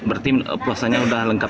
berarti puasanya sudah lengkap tiga puluh